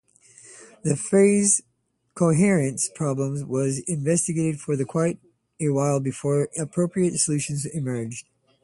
The phase coherence problem was investigated for quite a while before appropriate solutions emerged.